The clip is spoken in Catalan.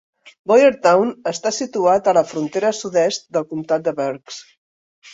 Boyertown està situat a la frontera sud-est del comtat de Berks.